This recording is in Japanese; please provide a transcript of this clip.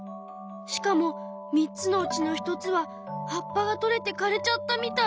しかも３つのうちの１つは葉っぱが取れて枯れちゃったみたい。